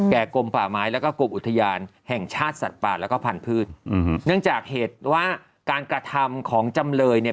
กลมป่าไม้แล้วก็กรมอุทยานแห่งชาติสัตว์ป่าแล้วก็พันธุ์อืมเนื่องจากเหตุว่าการกระทำของจำเลยเนี่ย